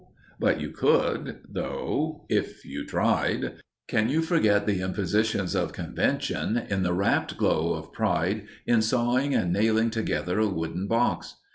But you could, though, if you tried! Can you forget the impositions of convention in the rapt glow of pride in sawing and nailing together a wooden box?